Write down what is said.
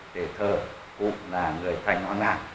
để thờ cụ là người thành hoàng làng